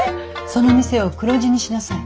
その店を黒字にしなさい。